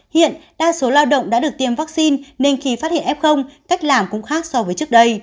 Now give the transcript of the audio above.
hiện đa số lao động đã được tiêm vaccine nên khi phát hiện f cách làm cũng khác so với trước đây